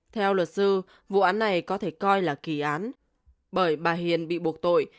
theo luật sư vụ án này có thể coi là kỳ án bởi bà hiền bị buộc tội